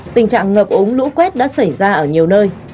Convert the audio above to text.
tình trạng ngập ống lũ quét đã xảy ra ở nhiều nơi